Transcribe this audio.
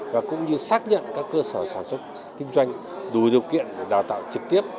và cũng như xác nhận các cơ sở sản xuất kinh doanh đủ điều kiện để đào tạo trực tiếp